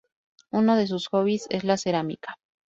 Uno de sus hobbies es la cerámica.